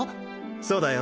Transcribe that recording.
そうだよ